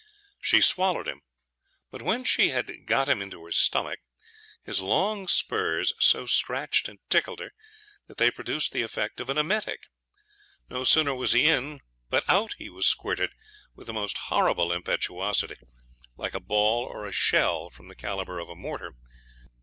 She swallowed him, but when she had got him in her stomach, his long spurs so scratched and tickled her, that they produced the effect of an emetic. No sooner was he in, but out he was squirted with the most horrible impetuosity, like a ball or a shell from the calibre of a mortar.